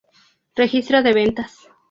Registro de ventas